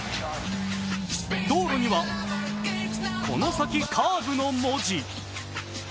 道路には、「この先カーブ」の文字。